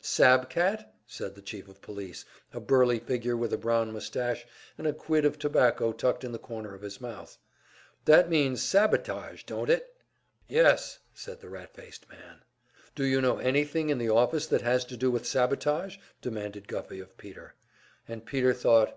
"Sab cat?" said the Chief of Police, a burly figure with a brown moustache and a quid of tobacco tucked in the corner of his mouth. "That means `sabotage,' don't it?" "Yes," said the rat faced man. "Do you know anything in the office that has to do with sabotage?" demanded Guffey of Peter. And Peter thought.